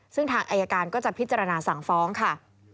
ซึ่งทางอายการก็จะพิจารณาสั่งฟ้องค่ะ